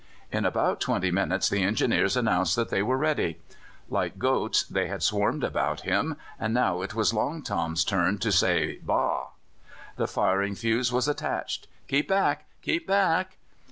In about twenty minutes the Engineers announced that they were ready. Like goats they had swarmed about him, and now it was Long Tom's turn to say "Baa!" The firing fuse was attached. "Keep back! keep back!"